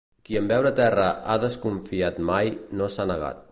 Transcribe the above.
Qui en veure terra ha desconfiat mai no s'ha negat.